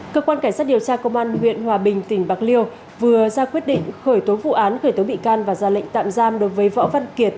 cơ quan cảnh sát điều tra công an huyện hòa bình tỉnh bạc liêu vừa ra quyết định khởi tố vụ án khởi tố bị can và ra lệnh tạm giam đối với võ văn kiệt